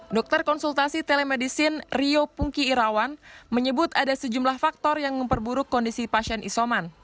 dokter konsultasi telemedicine rio pungki irawan menyebut ada sejumlah faktor yang memperburuk kondisi pasien isoman